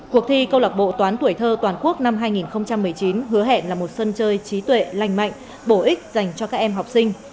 cuộc thi câu lạc bộ toán tuổi thơ toàn quốc năm hai nghìn một mươi chín hứa hẹn là một sân chơi trí tuệ lành mạnh bổ ích dành cho các em học sinh